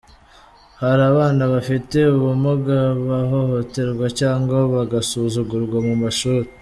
Hari abana bafite ubumuga bahohoterwa cyangwa bagasuzugurwa mu mashuri.